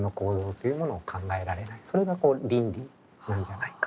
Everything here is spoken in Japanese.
それが倫理なんじゃないか。